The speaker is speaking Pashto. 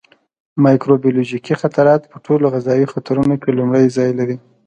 مایکروبیولوژیکي خطرات په ټولو غذایي خطرونو کې لومړی ځای لري.